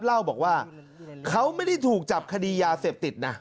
เล่าบอกว่าเขาไม่ได้ถูกจับคดียาเสพติดนะ